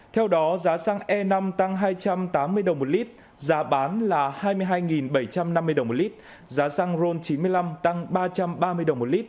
theo đó giá xăng e năm tăng hai trăm tám mươi đồng một lít giá bán là hai mươi hai bảy trăm năm mươi đồng một lít giá xăng ron chín mươi năm tăng ba trăm ba mươi đồng một lít